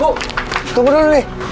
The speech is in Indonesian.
bu tunggu dulu nih